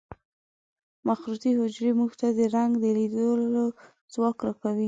مخروطي حجرې موږ ته د رنګ د لیدلو ځواک را کوي.